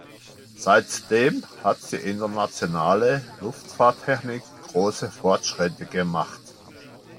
Seitdem hat die internationale Luftfahrttechnik große Fortschritte gemacht.